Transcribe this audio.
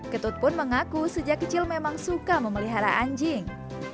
ketut pun mengaku sejak kecil memang suka memelihara anjing